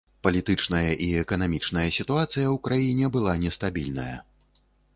Палітычная і эканамічная сітуацыя ў краіне была нестабільная.